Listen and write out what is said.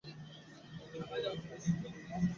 আমরা এ অবস্থার অবসান চাই।